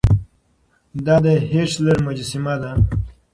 دا د هېټلر مجسمه ده.